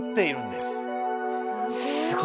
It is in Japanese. すごい。